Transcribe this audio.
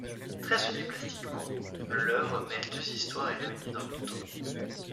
Très soignée plastiquement, l'œuvre mêle deux histoires éloignées dans le temps.